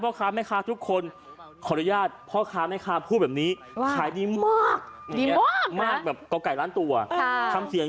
โอ้โหมันฟินจริง